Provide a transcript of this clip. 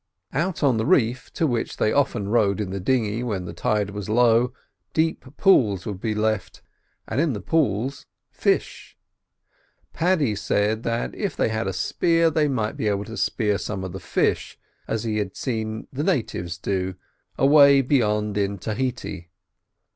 Out on the reef, to which they often rowed in the dinghy, when the tide was low, deep pools would be left, and in the pools fish. Paddy said if they had a spear they might be able to spear some of these fish, as he had seen the natives do away "beyant" in Tahiti.